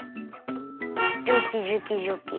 ジョキジョキジョキ。